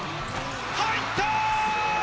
入った！